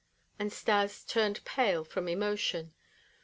And Stas turned pale from emotion.